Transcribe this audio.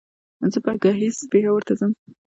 زه به ګهيځ پېښور ته ځم